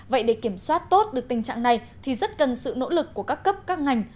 vậy để kiểm soát tốt được tình trạng này thì rất cần sự nỗ lực của các cấp các ngành